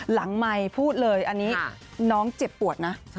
ไมค์พูดเลยอันนี้น้องเจ็บปวดนะ